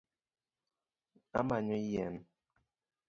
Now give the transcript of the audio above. Amanyo yien